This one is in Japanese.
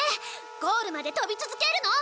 ゴールまで飛び続けるの。